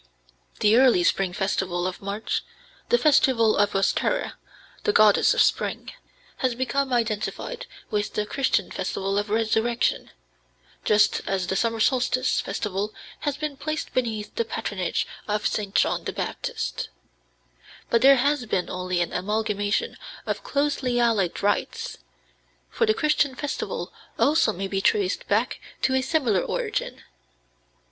" The early spring festival of March, the festival of Ostara, the goddess of spring, has become identified with the Christian festival of Resurrection (just as the summer solstice festival has been placed beneath the patronage of St. John the Baptist); but there has been only an amalgamation of closely allied rites, for the Christian festival also may be traced back to a similar origin.